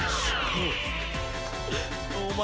お前